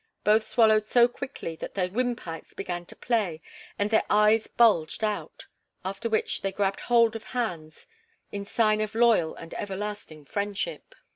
Both swallowed so quickly that their wind pipes began to play, and their eyes bulged out; after which they grabbed hold of hands in sign of loyal and everlasting friendship.